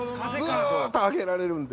ずっと上げられるんで。